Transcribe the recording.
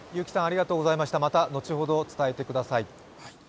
また後ほど伝えてください。